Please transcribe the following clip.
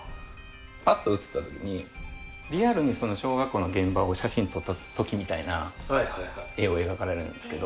パッと映った時にリアルに小学校の現場を写真に撮った時みたいな絵を描かれるんですけど。